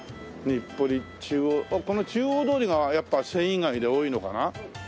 日暮里中央この中央通りがやっぱ繊維街で多いのかな？